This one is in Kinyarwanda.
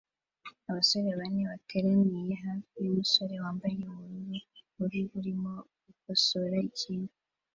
Abasore bane bateraniye hafi yumusore wambaye ubururu bubi burimo gukosora ikintu